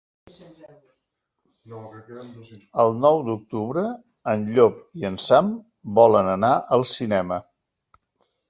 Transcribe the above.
El nou d'octubre en Llop i en Sam volen anar al cinema.